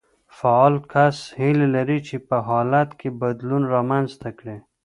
فعال کس هيله لري چې په حالت کې بدلون رامنځته کړي.